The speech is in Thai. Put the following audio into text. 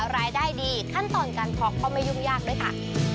รายได้ดีขั้นต่อเงินความยุ่งยากด้วยค่ะ